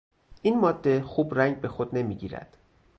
این ماده خوب رنگ به خود نمیگیرد.